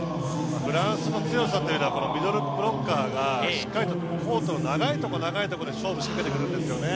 フランスの強さというのはミドルブロッカーがしっかりとコートの長いところ、長いところで勝負を仕掛けてくるんですよね。